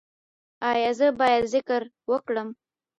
ایا زه باید ذکر وکړم؟